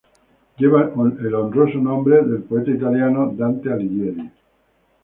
Lleva el honroso nombre del poeta italiano Dante Alighieri.